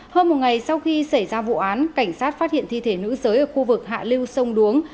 hơn một ngày sau khi xảy ra vụ án cảnh sát phát hiện thi thể nữ giới ở khu vực hạ lưu sông đuống